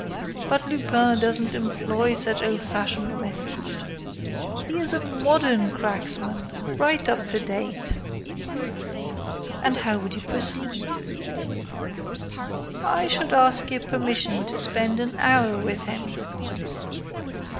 But Lupin doesn't employ such old fashioned methods. He is a modern cracksman, right up to date." "And how would you proceed?" "I should ask your permission to spend an hour with him."